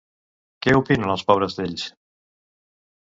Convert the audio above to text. Què opinen el pobres d'ells?